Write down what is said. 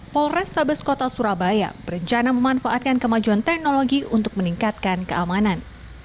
polrestabes kota surabaya berencana memanfaatkan kemajuan teknologi untuk meningkatkan keamanan